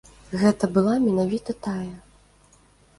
Гэта была менавіта тая.